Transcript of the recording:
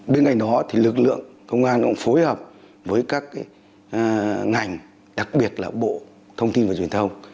bên cạnh đó thì lực lượng công an cũng phối hợp với các ngành đặc biệt là bộ thông tin và truyền thông